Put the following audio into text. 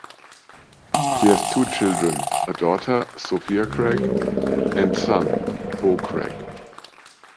She has two children, a daughter: Sophia Craig, and son: Beau Craig.